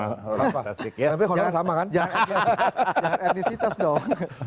tapi kalau sama kan jangan etnisitas dong